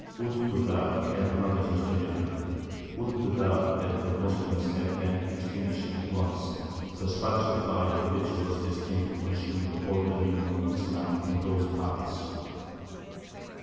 '" "Would to God!" adds another historian "Would to God that the Moslems had then extinguished at once the sparks of a fire which was destined to consume the whole dominions of Islam in those parts!"